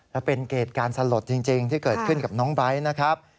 และเป็นเหตุการณ์สลดจริงที่เกิดขึ้นกับน้องไบท์นะครับ